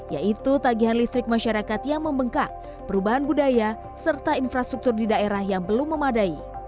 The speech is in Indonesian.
yaitu tagihan listrik masyarakat yang membengkak perubahan budaya serta infrastruktur di daerah yang belum memadai